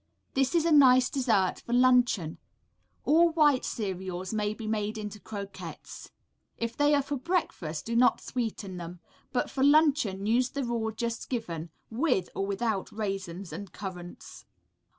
This is a nice dessert for luncheon. All white cereals may be made into croquettes; if they are for breakfast, do not sweeten them, but for luncheon use the rule just given, with or without raisins and currants.